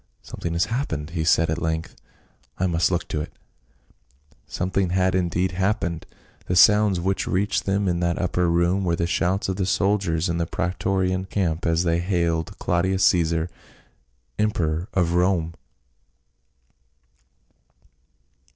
" Something has hap pened !" he said at length. " I must look to it !" Something had indeed happened ; the sounds which reached them in that upper room, were the shouts of the soldiers in the praetorian camp as they hailed Claudius Caesar, emperor of Rome